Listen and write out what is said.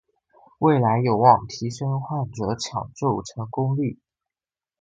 未来有望提升患者抢救成功率